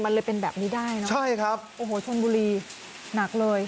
มันเลยเป็นแบบนี้ได้เนอะใช่ครับโอ้โหชนบุรีหนักเลย